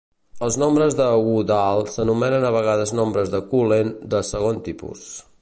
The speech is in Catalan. Els nombres de Woodall s'anomenen a vegades nombres de Cullen de segon tipus.